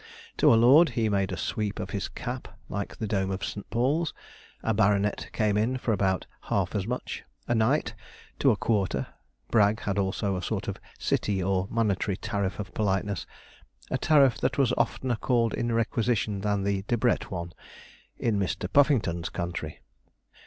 To a lord, he made a sweep of his cap like the dome of St. Paul's; a baronet came in for about half as much; a knight, to a quarter. Bragg had also a sort of City or monetary tariff of politeness a tariff that was oftener called in requisition than the 'Debrett' one, in Mr. Puffington's country.